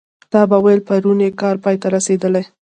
تا به ویل پرون یې کار پای ته رسېدلی.